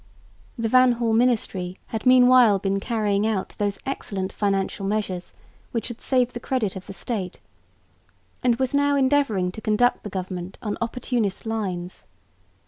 The Van Hall ministry had meanwhile been carrying out those excellent financial measures which had saved the credit of the State, and was now endeavouring to conduct the government on opportunist lines.